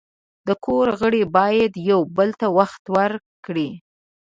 د کور غړي باید یو بل ته وخت ورکړي.